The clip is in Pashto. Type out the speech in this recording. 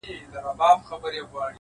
یوه کیسه نه لرم- ګراني د هیچا زوی نه یم-